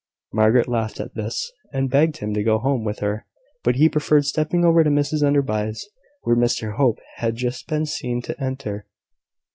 Margaret laughed at this, and begged him to go home with her; but he preferred stepping over to Mrs Enderby's, where Mr Hope had just been seen to enter.